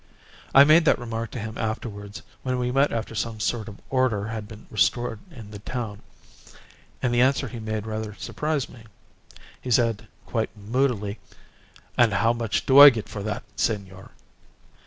I made that remark to him afterwards when we met after some sort of order had been restored in the town, and the answer he made rather surprised me. He said quite moodily, 'And how much do I get for that, senor?